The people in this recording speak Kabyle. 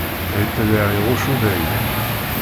Hitler iɣuc Udayen.